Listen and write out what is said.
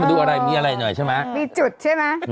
มีอะไรอย่างนึงมีจุดใช่มั้ย